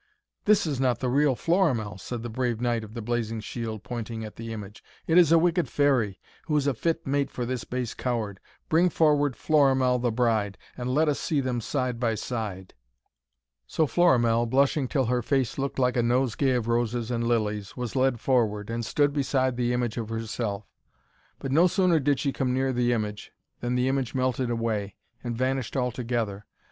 'This is not the real Florimell!' said the brave knight of the blazing shield, pointing at the image. 'It is a wicked fairy, who is a fit mate for this base coward. Bring forward Florimell the bride, and let us see them side by side!' So Florimell, blushing till her face looked like a nosegay of roses and lilies, was led forward, and stood beside the image of herself. But no sooner did she come near the image, than the image melted away, and vanished altogether.